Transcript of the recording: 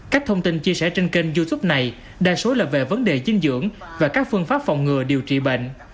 các thông tin chia sẻ trên kênh youtube này đa số là về vấn đề dinh dưỡng và các phương pháp phòng ngừa điều trị bệnh